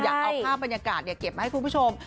เอาภาพบรรยากาศเก็บมาให้คุณผู้ชม